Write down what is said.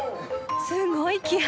すごい気迫！